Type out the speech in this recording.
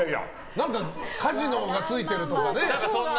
カジノがついてるとかね？